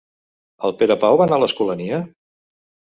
El Perepau va anar a l'Escolania?